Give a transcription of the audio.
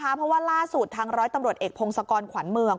เพราะว่าล่าสุดทางร้อยตำรวจเอกพงศกรขวัญเมือง